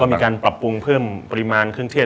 มีการปรับปรุงเพิ่มปริมาณเครื่องเทศ